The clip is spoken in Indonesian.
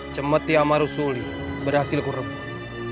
cempati amaru suli berhasil kurempuh